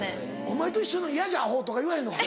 「お前と一緒の嫌じゃアホ」とか言わへんのか？